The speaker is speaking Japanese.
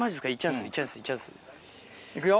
いくよ。